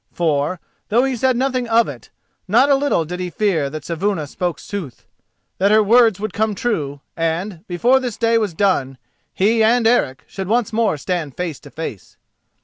For, though he said nothing of it, not a little did he fear that Saevuna spoke sooth—that her words would come true, and, before this day was done, he and Eric should once more stand face to face.